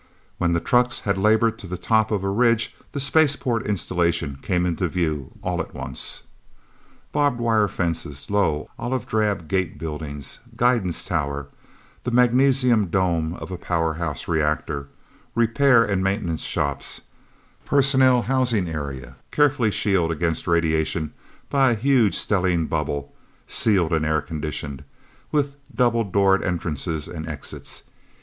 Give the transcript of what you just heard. When the trucks had labored to the top of a ridge, the spaceport installations came into view all at once: Barbed wire fences, low, olive drab gate buildings, guidance tower, the magnesium dome of a powerhouse reactor, repair and maintenance shops, personnel housing area carefully shielded against radiation by a huge stellene bubble, sealed and air conditioned, with double doored entrances and exits.